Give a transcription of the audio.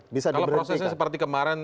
kalau prosesnya seperti kemarin